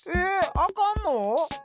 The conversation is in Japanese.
あかんの！？